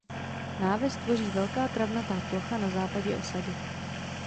Náves tvoří velká travnatá plocha na západě osady.